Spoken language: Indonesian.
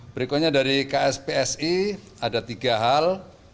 berikutnya dari kspsi ada tiga hal